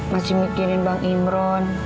masih mikirin bang imran